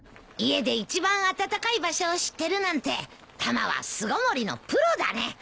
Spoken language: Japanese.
家で一番暖かい場所を知ってるなんてタマは巣ごもりのプロだね。